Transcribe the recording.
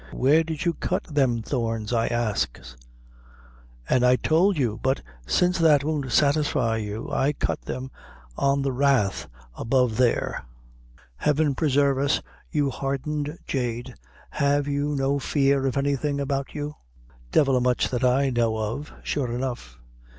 "Where did you cut them thorns, I ax?" "An' I tould you; but since that won't satisfy you, I cut them on the Rath above there." "Heaven presarve us, you hardened jade, have you no fear of anything about you?" "Divil a much that I know of, sure enough."